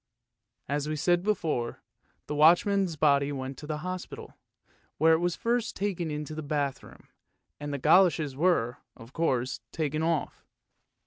As we said before, the watchman's body went to the hospital, where it was first taken into the bathroom and the goloshes were, of course, taken off.